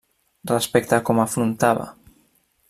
Respecte com afrontava.